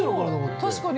確かに。